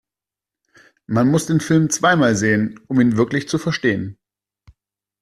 Man muss den Film zweimal sehen, um ihn wirklich zu verstehen.